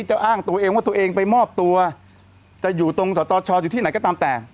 จะอ้างตัวเองว่าตัวเองไปมอบตัวจะอยู่ตรงสตชอยู่ที่ไหนก็ตามแต่